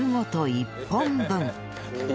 １本分！